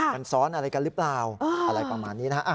มันซ้อนอะไรกันหรือเปล่าอะไรประมาณนี้นะฮะ